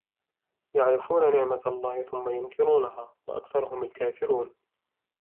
يعرفون نعمت الله ثم ينكرونها وأكثرهم الكافرون